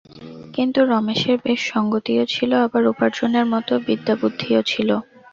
কিন্তু রমেশের বেশ সংগতিও ছিল, আবার উপার্জনের মতো বিদ্যাবুদ্ধিও ছিল।